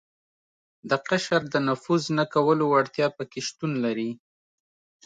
د قشر د نفوذ نه کولو وړتیا په کې شتون لري.